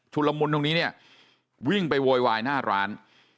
ละมุนตรงนี้เนี่ยวิ่งไปโวยวายหน้าร้าน